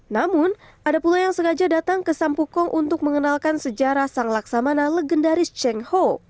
namun ada pula yang sengaja datang ke sampukong untuk mengenalkan sejarah sang laksamana legendaris cheng ho